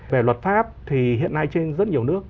về luật pháp thì hiện nay trên rất nhiều nước